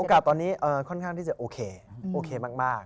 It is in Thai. ตอนนี้ค่อนข้างที่จะโอเคโอเคมาก